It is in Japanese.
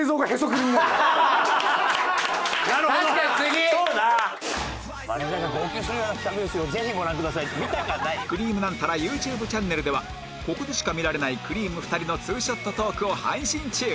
『くりぃむナンタラ』ＹｏｕＴｕｂｅ チャンネルではここでしか見られないくりぃむ２人のツーショットトークを配信中